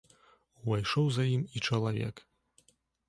Увайшоў за ім і чалавек.